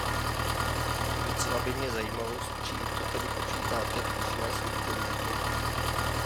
Docela by mě zajímalo, s čím to tedy počítate, když ne s intenzitou.